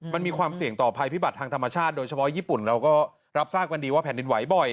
มันมีความเสี่ยงต่อภัยพิบัติทางธรรมชาติโดยเฉพาะญี่ปุ่นเราก็รับทราบกันดีว่าแผ่นดินไหวบ่อย